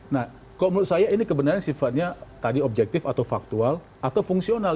nah kalau menurut saya ini kebenaran sifatnya tadi objektif atau faktual atau fungsional